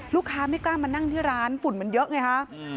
ลูกค้าไม่กล้ามานั่งที่ร้านฝุ่นมันเยอะไงคะ